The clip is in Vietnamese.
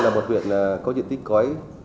là một huyện có diện tích cõi